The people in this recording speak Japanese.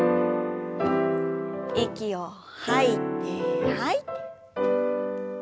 息を吐いて吐いて。